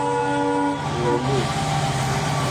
Òòle.